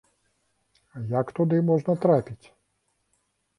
Як туды можна трапіць?